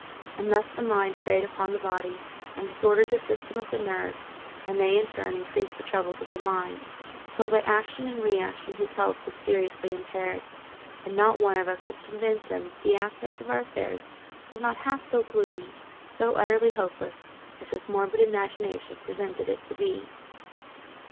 And thus the mind preyed upon the body, and disordered the system of the nerves, and they in turn increased the troubles of the mind, till by action and reaction his health was seriously impaired; and not one of us could convince him that the aspect of our affairs was not half so gloomy, so utterly hopeless, as his morbid imagination represented it to be.